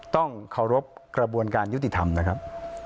ต้องเคารพกระบวนการยุติธรรมนะครับ